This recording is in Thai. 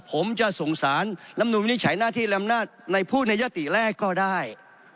ผมจะสงสารน้ำนุมนิจฉัยหน้าที่แรมนาฬในผู้ในยัตติแรกก็ได้